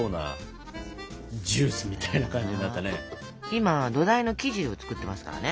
今土台の生地を作ってますからね。